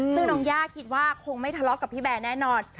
ซึ่งน้องย่าคิดว่าคงไม่ทะเลาะกับพี่แบร์แน่นอน